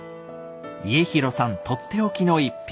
家広さんとっておきの一品。